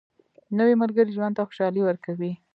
نوې ملګرې ژوند ته خوشالي ورکوي